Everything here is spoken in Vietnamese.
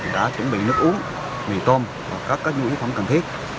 đã chuẩn bị nước uống mì tôm các dụng hữu phẩm cần thiết